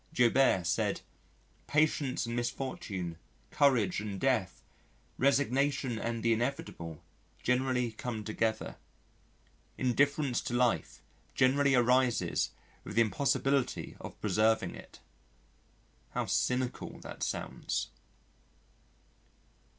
Joubert said, "Patience and misfortune, courage and death, resignation and the inevitable, generally come together. Indifference to life generally arises with the impossibility of preserving it" how cynical that sounds.